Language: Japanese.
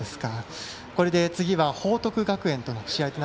これで次は報徳学園との試合。